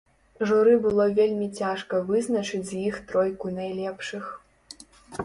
Журы было вельмі цяжка вызначыць з іх тройку найлепшых.